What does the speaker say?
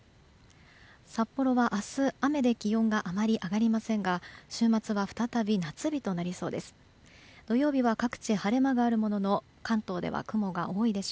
札幌は明日雨であまり気温が上がりませんが週末は再び夏日となりそうです。